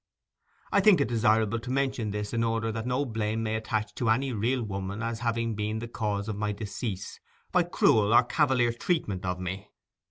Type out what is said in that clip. I think it desirable to mention this in order that no blame may attach to any real woman as having been the cause of my decease by cruel or cavalier treatment of me.